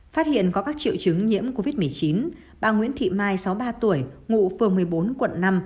phát hiện có các triệu chứng nhiễm covid một mươi chín bà nguyễn thị mai sáu mươi ba tuổi ngụ phường một mươi bốn quận năm